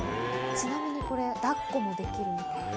ちなみにこれ、だっこもできるんです。